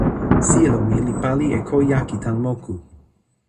sijelo mi li pali e ko jaki tan moku.